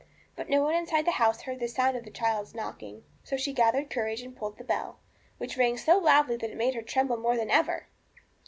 But no one inside the house heard the sound of the child's knocking. So she gathered courage and pulled the bell, which rang so loudly that it made her tremble more than ever.